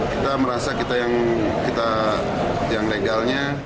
kita merasa kita yang legalnya